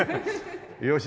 よし。